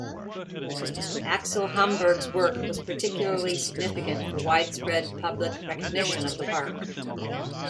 Axel Hamburg's work was particularly significant for widespread public recognition of the park.